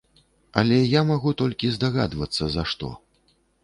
Але я магу толькі здагадвацца за што.